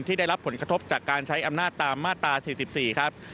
ได้รับผลกระทบจากการใช้อำนาจตามมาตรา๔๔ครับ